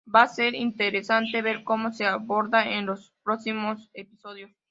Va a ser interesante ver cómo se aborda en los próximos episodios".